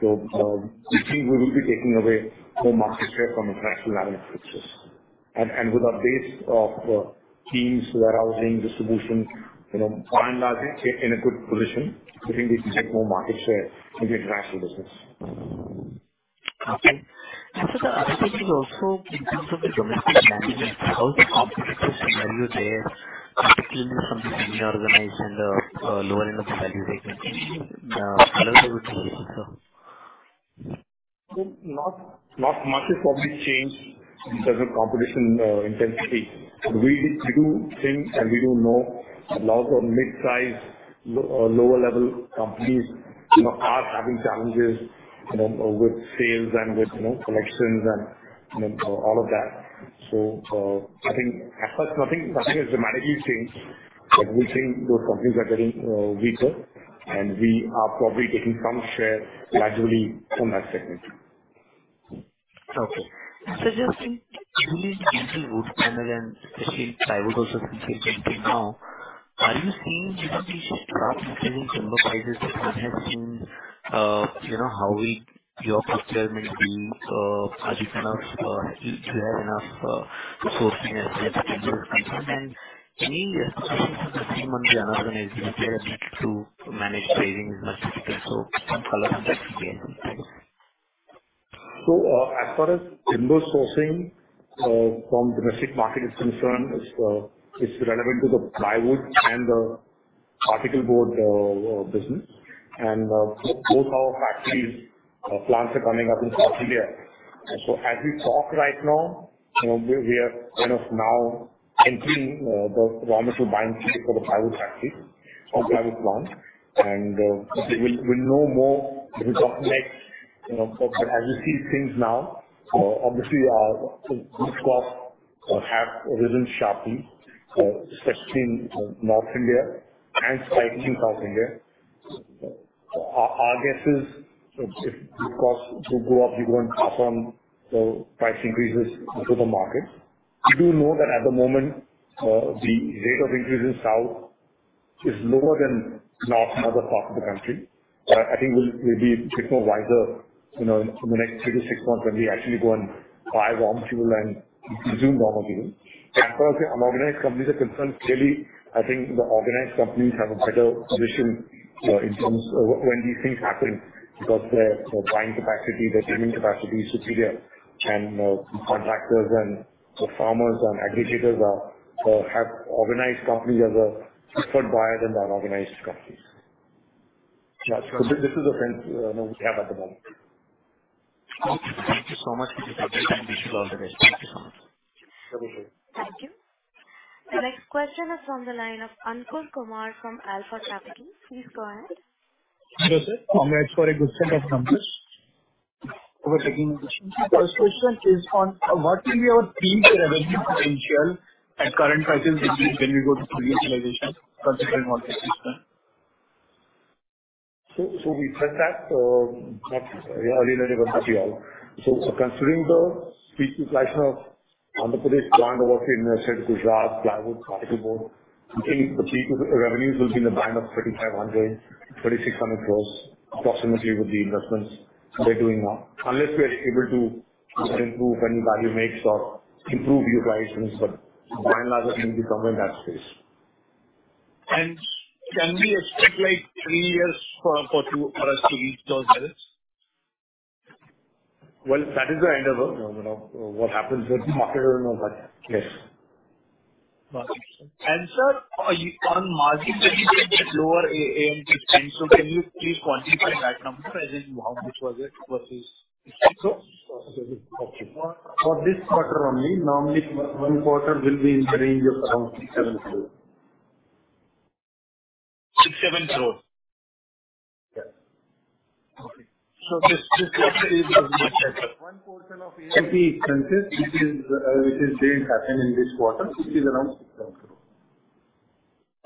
We think we will be taking away more market share from the international analytics system. With our base of teams, warehousing, distribution, you know, by and large, in a good position, we think we can get more market share in the international business. Okay. The other thing is also in terms of the domestic management, how competitive are you there from the organized and the lower end of the value rate? Not much has probably changed in terms of competition, intensity. We do think and we do know a lot of mid-size, lower level companies, you know, are having challenges, you know, with sales and with, you know, collections and, you know, all of that. I think at first, nothing has dramatically changed, but we think those companies are getting weaker, and we are probably taking some share gradually from that segment. Just in density wood panel and especially plywood also speaking now, are you seeing even the sharp increase in timber prices that has been. You know, how we, your procurement be, are you enough, you have enough, to sourcing and any months reorganizing player to manage savings significantly? Some color on that again, please. As far as timber sourcing from domestic market is concerned, is relevant to the plywood and the particle board business. Both our factories, plants are coming up in North India. As we talk right now, you know, we are kind of now entering the raw material buying season for the plywood factory or plywood plant, and we'll know more in the next, you know. As we see things now, obviously our wood costs have risen sharply, especially in North India and slightly in South India. Our guess is if wood costs will go up, we go and pass on the price increases to the market. We do know that at the moment, the rate of increase in South is lower than North, other parts of the country. I think we'll be bit more wiser, you know, in the next three to six months when we actually go and buy raw material and resume normal dealing. As far as the unorganized companies are concerned, clearly, I think the organized companies have a better position in terms of when these things happen, because their buying capacity, their teaming capacity is superior, and contractors and the farmers and aggregators are have organized companies as a preferred buyer than unorganized companies. Yeah. This is the sense we have at the moment. Okay, thank you so much for your time. Wish you all the best. Thank you so much. Thank you. Thank you. The next question is from the line of Ankur Kumar from Alpha Capital. Please go ahead. Hello, sir. Thanks for a good set of numbers. Over the first question is on, what will be your peak revenue potential at current prices when we go to full utilization, considering what the system? We said that earlier in the year. Considering the peak utilization of Andhra Pradesh plant, Gujarat, plywood, particle board, I think the peak revenues will be in the band of 3,500 crore-3,600 crore, approximately with the investments we're doing now. Unless we are able to improve any value makes or improve utilizations, but by and large, it will be somewhere in that space. Can we expect like three years for us to reach those levels? Well, that is the endeavor. You know, what happens with the market or not, yes. sir, on margin, lower A&M, can you please quantify that number as in how much was it versus... For this quarter only, normally one quarter will be in the range of around 6 crore-7 crore. 6, 7 crore? Yes. Okay. this is, which is the happen in this quarter, which is around INR 6 crore-INR 7 crore.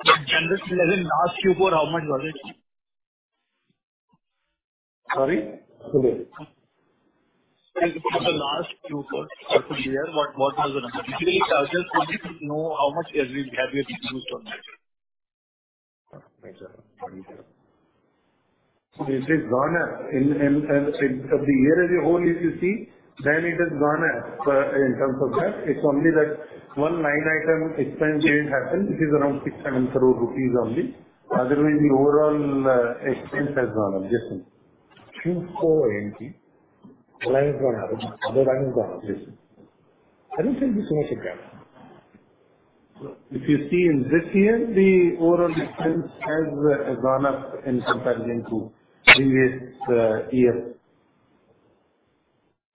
this is as in last Q4, how much was it? Sorry. In the last Q4 of the year, what was the number? Usually, just for people to know how much every have we used on that? It is gone up. In the year as a whole, if you see, then it has gone up, in terms of that. It's only that one line item expense change happened, which is around 6 crore-7 crore rupees only. Otherwise, the overall expense has gone up, yes. Q4 A&M. Line has gone up. Other line has gone up. Yes. Everything is going to go. If you see in this year, the overall expense has gone up in comparison to previous year.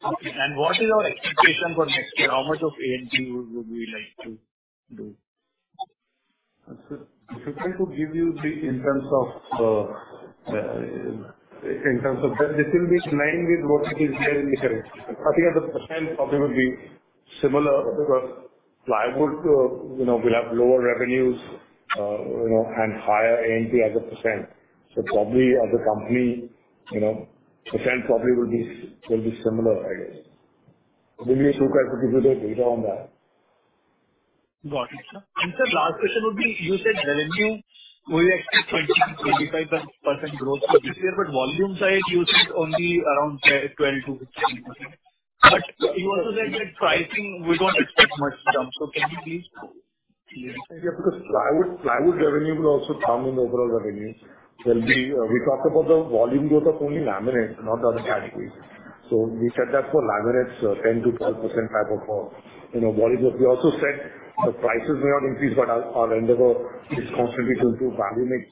Okay. What is our expectation for next year? How much of A&M would we like to do? If I could give you the in terms of, in terms of that, this will be in line with what we said in the beginning. I think as a %, probably will be similar, because plywood, you know, will have lower revenues, you know, and higher A&M as a %. Probably as a company, you know, % probably will be similar, I guess. Maybe I should try to give you the data on that. Got it, sir. Sir, last question would be, you said revenue will be actually 20%-25% growth for this year. Volume side, you said only around 10%, 12%-15%. You also said that pricing, we don't expect much jump. Can you please? Plywood revenue will also come in the overall revenue. We talked about the volume growth of only laminate, not the other categories. We said that for laminates, 10%-12% type of, you know, volume growth. We also said the prices may not increase, but our endeavor is constantly to improve value mix.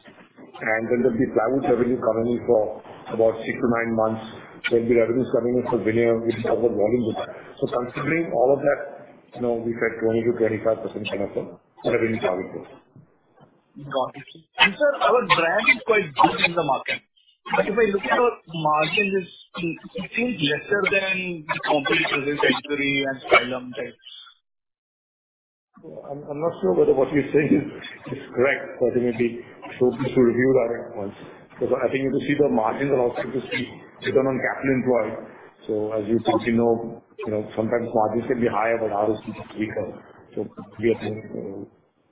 Then there'll be plywood revenue coming in for about six to nine months. There'll be revenue coming in from veneer, which is our volume demand. Considering all of that, you know, we said 20%-25% kind of revenue growth. Got it. Sir, our brand is quite built in the market, but if I look at our margins, it seems lesser than company Century and Stylam types. I'm not sure whether what you're saying is correct. It may be to review that point. I think if you see the margins are also to see return on capital employed. We are saying,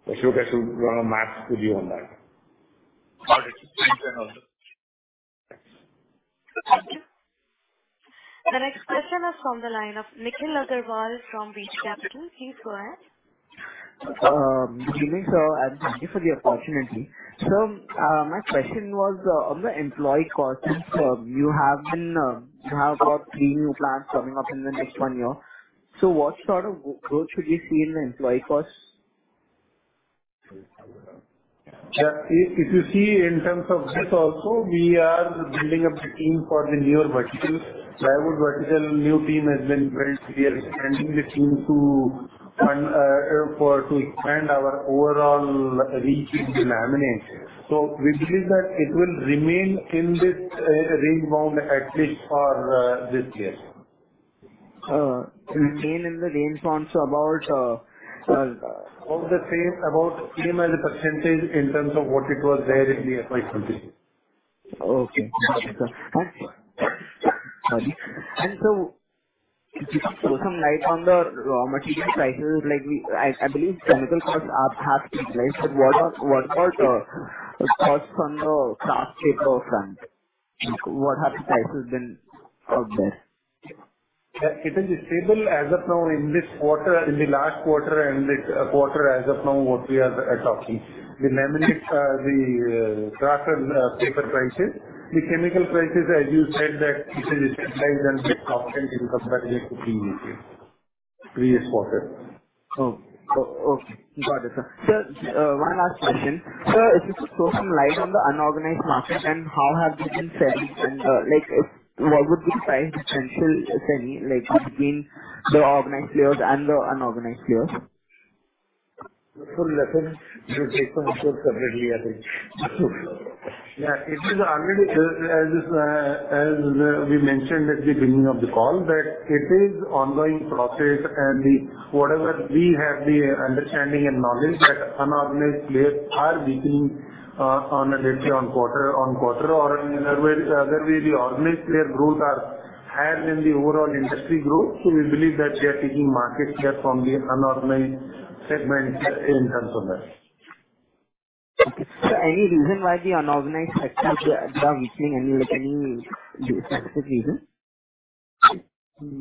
Ashok has to run a math review on that. Got it. Thanks a lot. Thank you. The next question is from the line of Nikhil Agarwal from VT Capital. Please go ahead. Good evening, sir, and thank you for the opportunity. Sir, my question was on the employee costs. Since, you have been, you have about three new plants coming up in the next one year. What sort of growth should we see in the employee costs? Yeah. If you see in terms of this also, we are building up the team for the newer verticals. Plywood vertical, new team has been built. We are expanding the team to run to expand our overall reach in the laminate. We believe that it will remain in this range-bound at least for this year. remain in the range bound, so about. About same as a % in terms of what it was there in the FY 2023. Okay. Got it, sir. If you could throw some light on the raw material prices, like I believe chemical costs have increased, but what about the costs from the kraft paper front? Like, what have the prices been out there? It is stable as of now in this quarter, in the last quarter and this quarter as of now, what we are talking. The laminates, the craft and paper prices. The chemical prices, as you said, that it is stabilized and decreased often in comparison to previous year, previous quarter. Oh, oh, okay. Got it, sir. Sir, one last question. Sir, if you could throw some light on the unorganized market and how has it been selling? Like, what would be the size potential selling, like between the organized players and the unorganized players? For that one, we will take separately, I think. Yeah, it is already, as we mentioned at the beginning of the call, that it is ongoing process and the whatever we have the understanding and knowledge that unorganized players are beating, on a daily, on quarter or in other way, the organized player growth are higher than the overall industry growth. We believe that we are taking market share from the unorganized segment in terms of that. Any reason why the unorganized sector is down beating? Any, like, any specific reason?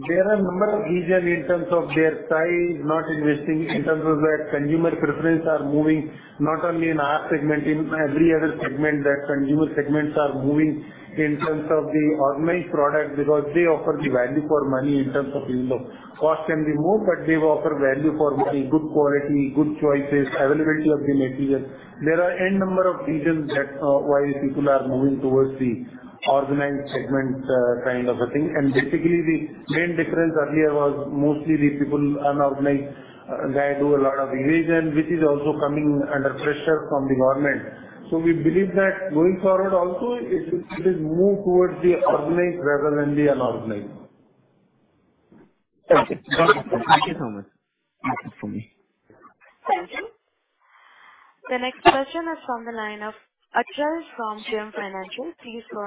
There are a number of reasons in terms of their size, not investing, in terms of their consumer preferences are moving, not only in our segment, in every other segment, that consumer segments are moving in terms of the organized product, because they offer the value for money in terms of, you know, cost can be more, but they offer value for money, good quality, good choices, availability of the material. There are N number of reasons that why people are moving towards the organized segment, kind of a thing. Basically, the main difference earlier was mostly the people unorganized guys do a lot of evasion, which is also coming under pressure from the government. We believe that going forward also, it will move towards the organized rather than the unorganized. Okay. Got it. Thank you so much. That's it for me. Thank you. The next question is from the line of Achal from JM Financial. Please go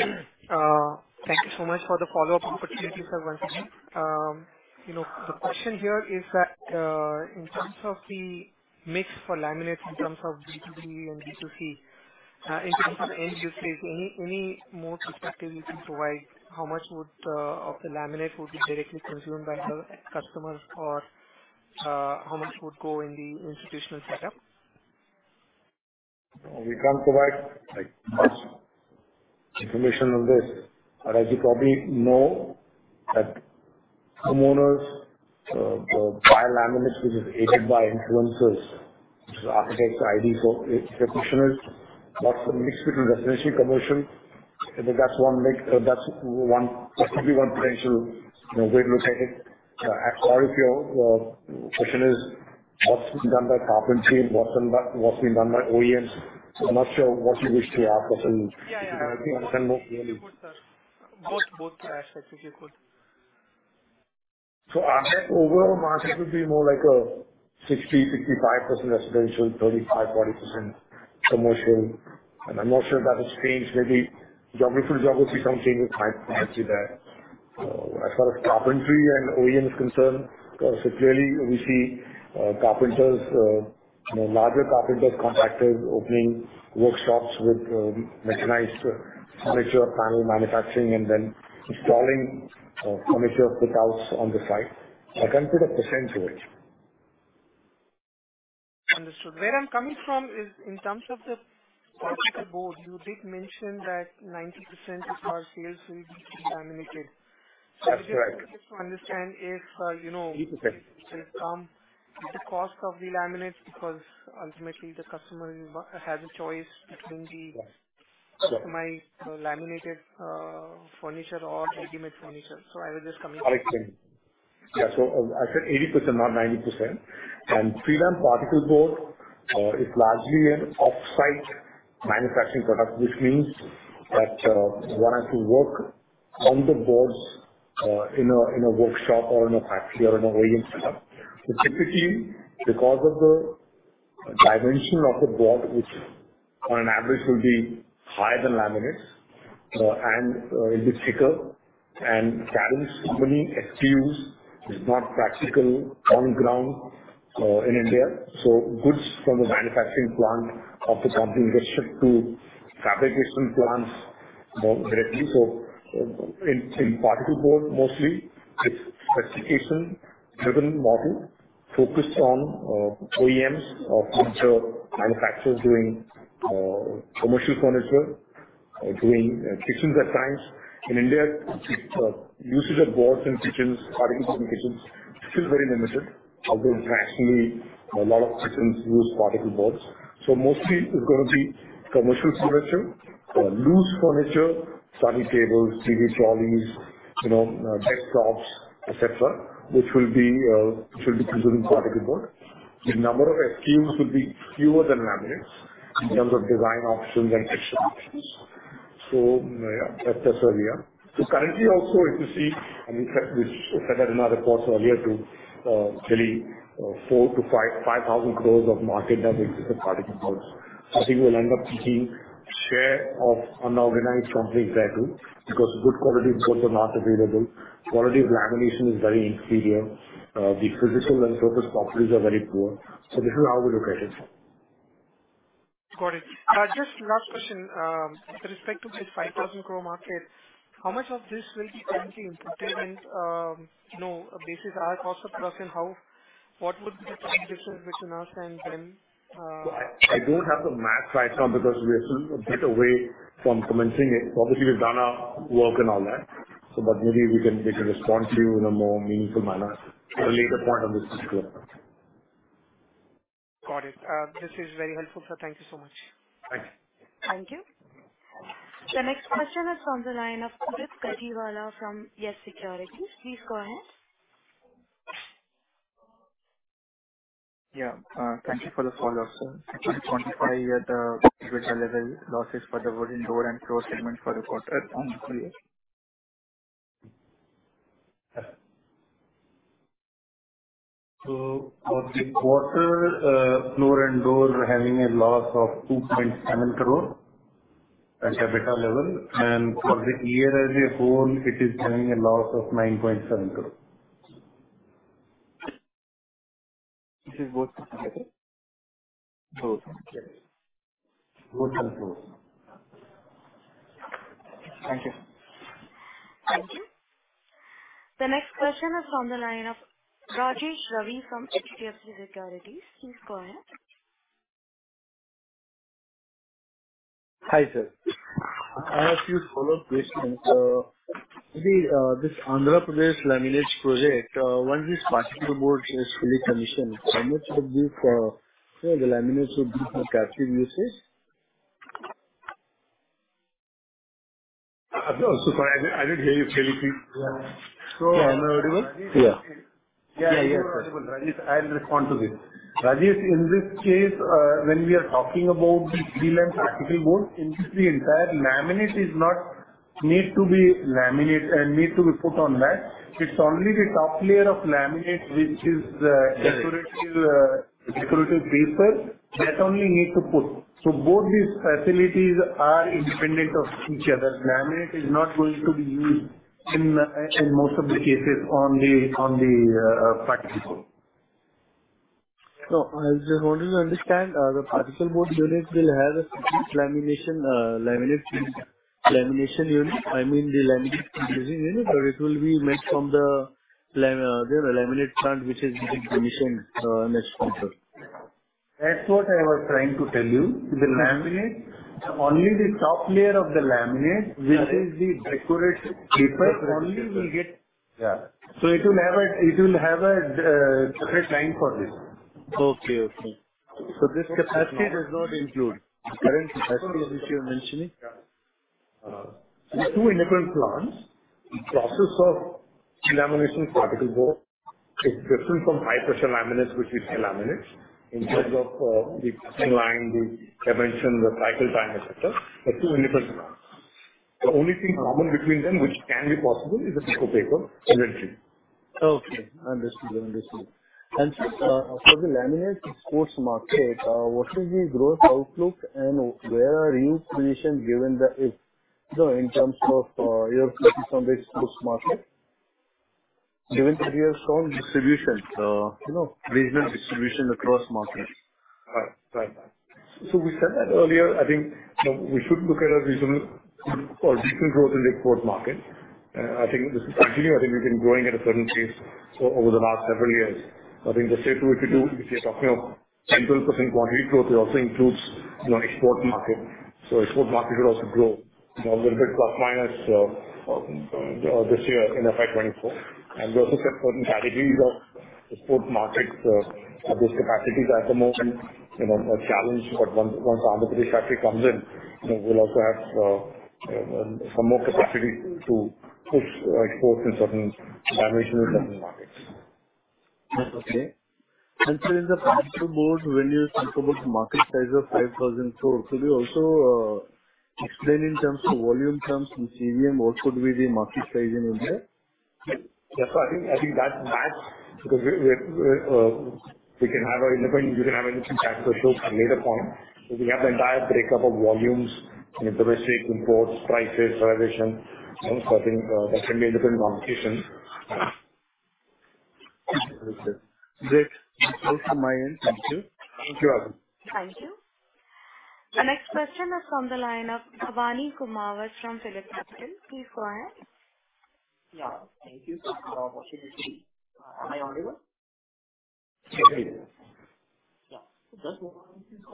ahead. Thank you so much for the follow-up opportunity, sir. Once again, you know, the question here is that, in terms of the mix for laminates, in terms of B2B and B2C, in terms of the end usage, any more perspective you can provide, how much would of the laminate would be directly consumed by the customers, or, how much would go in the institutional setup? We can't provide, like, much information on this. As you probably know, that homeowners buy laminates, which is aided by influencers, so architects, IDs, so professionals. That's a mix between residential, commercial. That's one mix, that's one, possibly one way to look at it. If your question is what's been done by carpentry, what's been done by OEMs? I'm not sure what you wish to ask us in-. Yeah, yeah. I think I can look really- Both the aspects, if you could. Our overall market would be more like a 60%-65% residential, 35%-40% commercial, and I'm not sure if that has changed. Maybe geography, some changes might be there. As far as carpentry and OEM is concerned, so clearly we see, you know, larger carpenters, contractors, opening workshops with mechanized furniture, panel manufacturing, and then installing furniture fit outs on the site. I can't put a % to it. Understood. Where I'm coming from is in terms of the particle board, you did mention that 90% of our sales will be laminated. That's right. To understand if. 80%. will come the cost of the laminate, because ultimately the customer has a choice between the- Right. customized laminated furniture or ready-made furniture. I understand. I said 80%, not 90%. prelam particle board is largely an off-site manufacturing product, which means that one has to work on the boards in a workshop or in a factory or in an OEM setup. Typically, because of the dimension of the board, which on average will be higher than laminates, and it'll be thicker and carries many SKUs, is not practical on ground in India. Goods from the manufacturing plant of the company get shipped to fabrication plants more directly. In particle board, mostly it's specification-driven model focused on OEMs of which are manufacturers doing commercial furniture, doing kitchens at times. In India, usage of boards in kitchens, particle boards in kitchens is very limited, although internationally a lot of kitchens use particle boards. Mostly it's gonna be commercial furniture, loose furniture, study tables, TV trolleys, you know, desktops, et cetera, which will be using particle board. The number of SKUs will be fewer than laminates in terms of design options and texture options. Yeah, that's as earlier. Currently also, if you see, I mean, we said that in our reports earlier to really 4,000-5,000 crores of market has existed in particle boards. I think we'll end up seeking share of unorganized companies there, too, because good quality boards are not available, quality of lamination is very inferior, the physical and surface properties are very poor. This is how we look at it. Got it. Just last question. With respect to this 5,000 crore market, how much of this will be currently impacted and, basis our cost of production, what would be the point difference between us and them. I don't have the math right now because we are still a bit away from commencing it. Obviously, we've done our work and all that, so but maybe we can respond to you in a more meaningful manner at a later point on this particular one. Got it. This is very helpful, sir. Thank you so much. Thank you. Thank you. The next question is from the line of Udit Gajiwala from YES Securities. Please go ahead. Thank you for the follow-up, sir. I can't quantify yet, level losses for the wooden door and floor segment for the quarter and the year. For the quarter, floor and door are having a loss of 2.7 crore at EBITDA level, and for the year as a whole, it is having a loss of 9.7 crore. This is both together? Both, okay. Both and floor. Thank you. Thank you. The next question is from the line of Rajesh Ravi from HDFC Securities. Please go ahead. Hi, sir. I have a few follow-up questions. This Andhra Pradesh laminates project, once this particular board is fully commissioned, how much would be for, say, the laminates would be for captive uses? I'm so sorry, I didn't hear you clearly. Yeah. Am I audible? Yeah. Yeah, yes, audible. Rajesh, I'll respond to this. Rajesh, in this case, when we are talking about the prelam particle board, in this the entire laminate need to be put on that. It's only the top layer of laminate, which is- Yes. decorative paper that only need to put. Both these facilities are independent of each other. Laminate is not going to be used in most of the cases on the, on the particle board. I just wanted to understand, the particle board unit will have a lamination, laminate, lamination unit, I mean, the laminate unit, or it will be made from the laminate plant, which is commission, next quarter? That's what I was trying to tell you. Okay. The laminate, only the top layer of the laminate. Right. -which is the decorative paper, only will get... Yeah. It will have a separate line for this. Okay. Okay. This capacity does not include the current capacity, which you're mentioning. Yeah. The two independent plants, the process of lamination particle board is different from high-pressure laminates, which is. Yes. In terms of, the pressing line, the dimension, the cycle time, et cetera, are two independent ones. The only thing common between them, which can be possible, is the paper energy. Okay, understood. Understood. For the laminate exports market, what is the growth outlook and where are you positioned, given that it, you know, in terms of, your position based exports market, given that you have strong distribution, you know, regional distribution across markets? Right. We said that earlier. I think we should look at a reasonable or decent growth in the export market, and I think this is continuing. I think we've been growing at a certain pace over the last several years. I think if you're talking of 10%-12% quantity growth, it also includes, you know, export market. Export market should also grow a little bit, plus minus this year in FY 2024. We also set certain categories of export markets. Those capacities at the moment, you know, are challenged, but once another factory comes in, you know, we'll also have some more capacity to push exports in certain dimensions, certain markets. Okay. In the past two boards, when you think about market size of 5,004, could you also explain in terms of volume terms, in CPM, what would be the market size in India? Yes, I think that's because we can have a look at that virtual later on. We have the entire breakup of volumes in domestic imports, prices, realization. I think that can be a different conversation. Okay. Great. That's all from my end. Thank you. Thank you. Thank you. The next question is from the line of Bhavani Kumawat from PhillipCapital. Please go ahead. Yeah, thank you so much for the opportunity. Am I audible? Sure, yeah. Yeah. Just to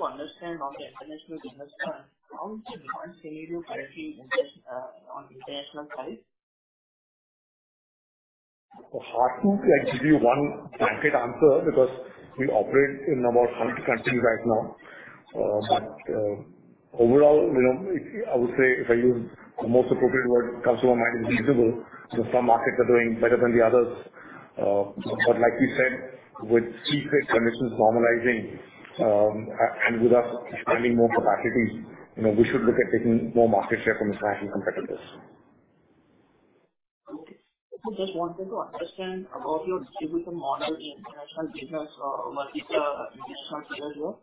understand on the international business plan, how is the current scenario currently, on international side? Hard to like give you one blanket answer, because we operate in about 20 countries right now. Overall, you know, I would say, if I use the most appropriate word that comes to my mind is reasonable. Some markets are doing better than the others. Like we said, with key trade conditions normalizing, and with us finding more capacity, you know, we should look at taking more market share from its national competitors. Okay. I just wanted to understand about your distribution model in international business, market, additional as well.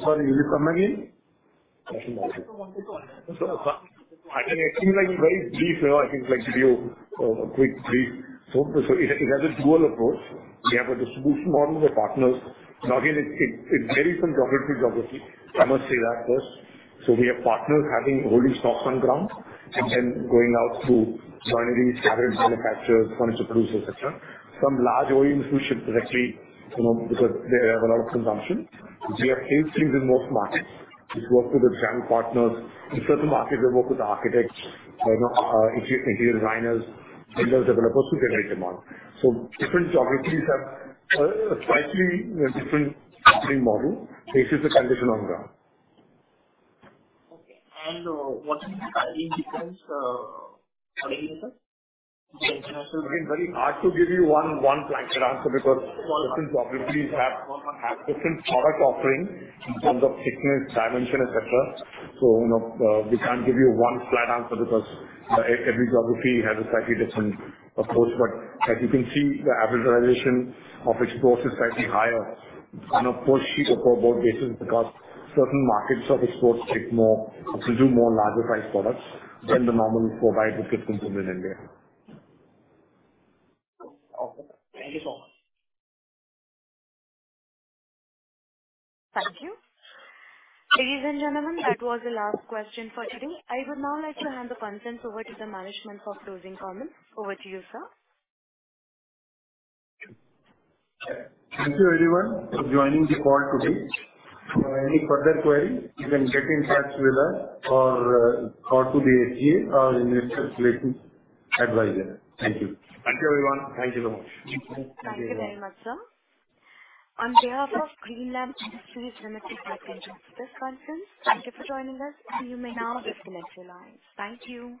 Sorry, could you come again? I just wanted to understand. I can explain, like, very brief. You know, I can, like, give you a quick brief. It has a dual approach. We have a distribution model with partners. Again, it varies from geographies, obviously. I must say that first. We have partners having, holding stock on ground and then going out to joinery, standard manufacturers, furniture producers, etc. Some large OEMs, we ship directly, you know, because they have a lot of consumption. We have sales teams in most markets, which work with the channel partners. In certain markets, they work with architects, interior designers, builders, developers who generate demand. Different geographies have slightly different operating model based on the condition on ground. Okay. What is the pricing difference, sorry, sir? It's very hard to give you one blanket answer, because different geographies have different product offerings in terms of thickness, dimension, etc. You know, we can't give you one flat answer because every geography has a slightly different approach. As you can see, the average realization of exports is slightly higher on a per sheet or per board basis, because certain markets of exports take more, consume more larger sized products than the normal profile with the consumer in India. Okay. Thank you so much. Thank you. Ladies and gentlemen, that was the last question for today. I would now like to hand the conference over to the management for closing comments. Over to you, sir. Thank you, everyone, for joining the call today. For any further query, you can get in touch with us or, call to the SGA or investor relations advisor. Thank you. Thank you, everyone. Thank you so much. Thank you very much, sir. On behalf of Greenlam Industries Limited, I thank you for this conference. Thank you for joining us. You may now disconnect your lines. Thank you.